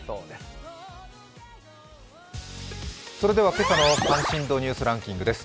今朝の「関心度ニュース」ランキングです。